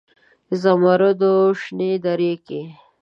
زمرودو شنې درې کې